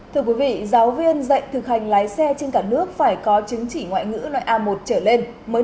thưa quý vị giáo viên dạy thực hành lái xe trên cả nước phải có chứng chỉ ngoại ngữ lợi ích đúng không